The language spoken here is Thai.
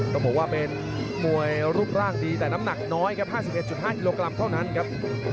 ต้องบอกว่าเป็นมวยรูปร่างดีแต่น้ำหนักน้อยครับ๕๑๕กิโลกรัมเท่านั้นครับ